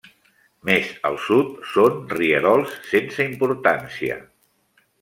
Més al sud són rierols sense importància.